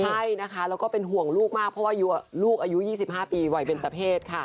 ใช่นะคะแล้วก็เป็นห่วงลูกมากเพราะว่าลูกอายุ๒๕ปีวัยเบนเจอร์เพศค่ะ